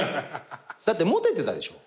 だってモテてたでしょ？